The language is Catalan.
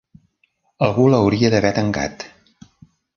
Algú l'hauria d'haver tancat.